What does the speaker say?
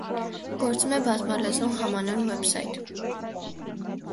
Գործում է բազմալեզու համանուն ուեբսայթ։